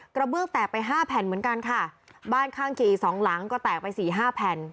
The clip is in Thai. กระเบื้องแตกไปห้าแผ่นเหมือนกันค่ะบ้านข้างเคียงอีกสองหลังก็แตกไปสี่ห้าแผ่น